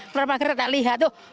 keluar pagar tak lihat tuh